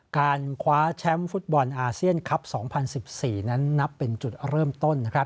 การคว้าแชมป์ฟุตบอลอาเซียนคลับ๒๐๑๔นั้นนับเป็นจุดเริ่มต้น